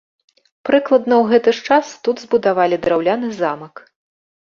Прыкладна ў гэты ж час тут збудавалі драўляны замак.